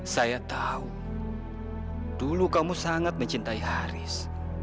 saya tahu dulu kamu sangat mencintai haris